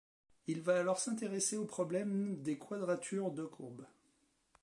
Il va alors s'intéresser au problème des quadratures de courbes.